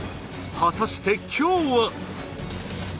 果たして今日は？